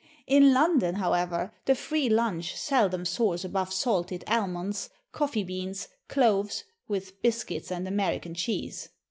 In London, however, the free lunch seldom soars above salted almonds, coffee beans, cloves, with biscuits and American cheese.